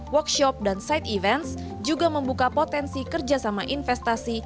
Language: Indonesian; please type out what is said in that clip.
workshop dan side events juga membuka potensi kerjasama investasi